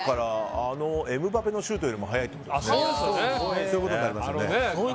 あのエムバペのシュートより速いということになりますね。